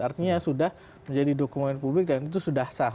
artinya sudah menjadi dokumen publik dan itu sudah sah